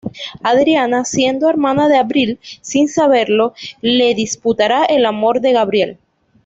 Adriana, siendo hermana de Avril sin saberlo, le disputará el amor de Gabriel.